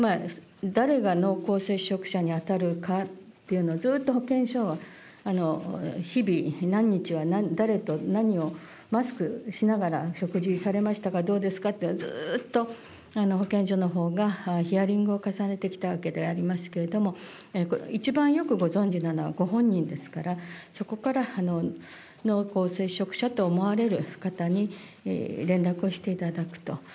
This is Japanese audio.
誰が濃厚接触者に当たるかっていうのは、ずっと保健所は日々、何日は誰と何を、マスクしながら食事されましたか、どうですかっていうのをずっと保健所のほうがヒアリングを重ねてきたわけでありますけれども、一番よくご存じなのはご本人ですから、そこから濃厚接触者と思われる方に連絡をしていただくと。